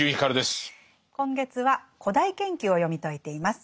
今月は「古代研究」を読み解いています。